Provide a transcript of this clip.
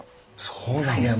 そうなんですね。